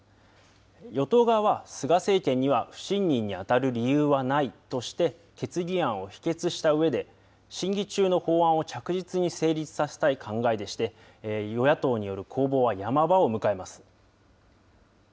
与党側は、菅政権には不信任に当たる理由はないとして、決議案を否決したうえで、審議中の法案を着実に成立させたい考えでして、与野党による攻防はヤマ場を迎えます。